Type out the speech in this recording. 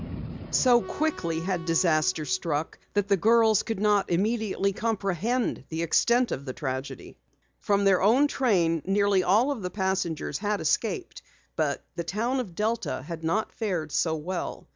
So quickly had disaster struck that the girls could not immediately comprehend the extent of the tragedy. From their own train nearly all of the passengers had escaped. But the town of Delta had not fared so well.